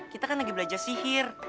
kita kan lagi belajar sihir